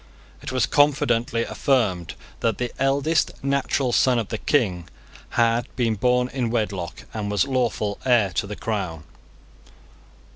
It was confidently affirmed that the eldest natural son of the King had been born in wedlock, and was lawful heir to the crown.